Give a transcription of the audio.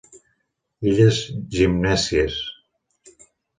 Illes Gimnèsies.